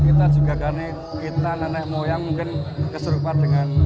kita juga karena kita nenek moyang mungkin keserupan dengan